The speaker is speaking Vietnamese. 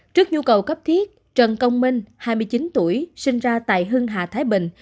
trước nhu cầu cấp thiết trần công minh hai mươi chín tuổi sinh ra tại hưng hà thái bình